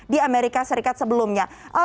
di amerika serikat sebelumnya